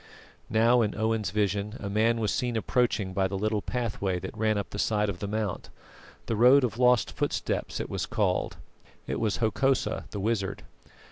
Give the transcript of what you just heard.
Now, in Owen's vision a man was seen approaching by the little pathway that ran up the side of the mount the Road of Lost Footsteps it was called. It was Hokosa the wizard.